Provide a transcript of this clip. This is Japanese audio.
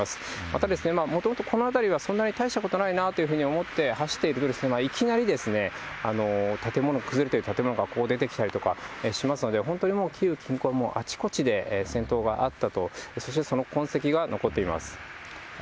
また、もともとこの辺りはそんなに大したことないなというふうに思って走っていると、いきなり、建物、崩れている建物が出てきたりとかしますので、本当にもう、キーウ近郊、あちこちで戦闘があったと、そしてその痕跡が残っています。